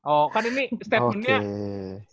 oh kan ini statementnya